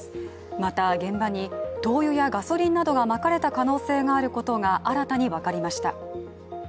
また、現場に灯油やガソリンなどがまかれた可能性があることが新たに分かりました。